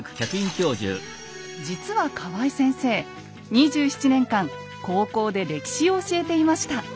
実は河合先生２７年間高校で歴史を教えていました。